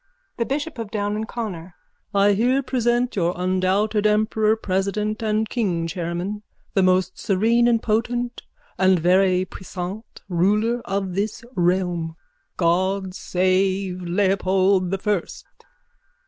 _ THE BISHOP OF DOWN AND CONNOR: I here present your undoubted emperor president and king chairman, the most serene and potent and very puissant ruler of this realm. God save Leopold the First!